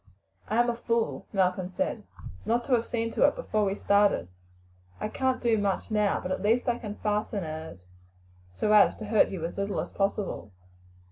"I am a fool," Malcolm said, "not to have seen to it before we started. I can't do much now; but at least I can fasten it so as to hurt you as little as possible."